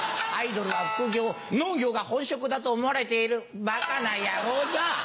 アイドルは副業農業が本職だと思われているバカな野郎だ。